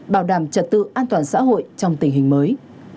bảo đảm trật tự an toàn xã hội trong tình hình mới